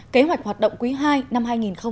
kế hoạch hoạt động quý ii năm hai nghìn một mươi chín